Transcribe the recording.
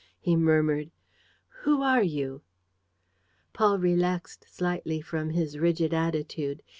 He murmured: "Who are you?" Paul relaxed slightly from his rigid attitude.